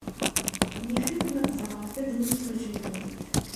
Yif-it ma teẓramt-d imsujji-nwent.